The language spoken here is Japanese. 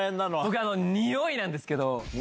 僕は匂いなんですけど。